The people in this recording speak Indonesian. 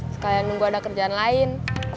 sekalian nunggu ada kerjaan lain